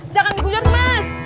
jangan digunyur mas